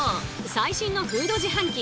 最新のフード自販機